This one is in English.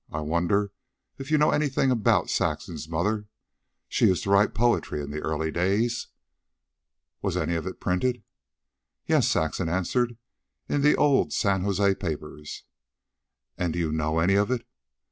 I wonder if you know anything about Saxon's mother. She used to write poetry in the early days." "Was any of it printed?" "Yes," Saxon answered. "In the old San Jose papers." "And do you know any of it?"